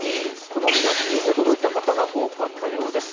この見出しに驚いた方が多かったようです。